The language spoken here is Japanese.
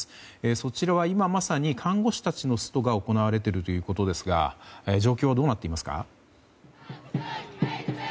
そちらは今まさに看護師たちのストが行われているということですが状況はどうなっていますか？